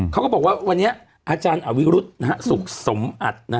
เขาก็บอกว่าวันนี้อาจารย์อวิรุธสุขสมอัด